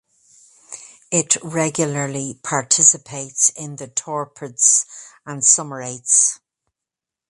It regularly participates in the Torpids and Summer Eights.